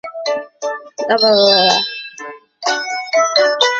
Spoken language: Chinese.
石见山吹城城主。